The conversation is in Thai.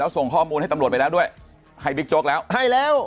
ส่งข้อมูลให้ตำรวจไปแล้วด้วยให้บิ๊กโจ๊กแล้วให้แล้ว